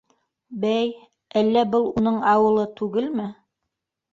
Бәй, әллә был уның ауылы түгелме?